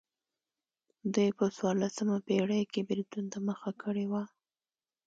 دوی په څوارلسمه پېړۍ کې بېلتون ته مخه کړې وه.